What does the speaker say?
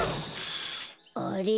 あれ？